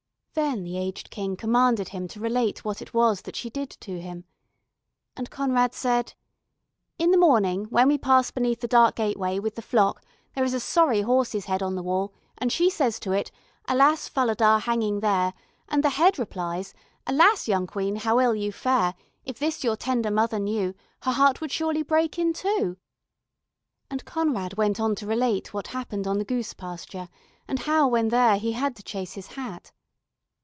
Then the aged King commanded him to relate what it was that she did to him. And Conrad said: "In the morning when we pass beneath the dark gateway with the flock, there is a sorry horse's head on the wall and she says to it: "Alas, Falada, hanging there!" And the head replies: "Alas, young Queen, how ill you fare! If this your tender mother knew, Her heart would surely break in two." And Conrad went on to relate what happened on the goose pasture, and how when there he had to chase his hat.